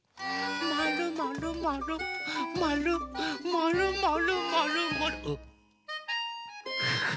まるまるまるまるまるまるまるまるあっ。